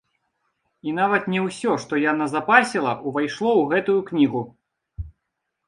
І нават не ўсё, што я назапасіла, увайшло ў гэтую кнігу!